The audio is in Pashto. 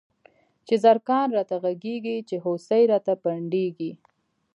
چی زرکان راته غږيږی، چی هوسۍ راته پنډيږی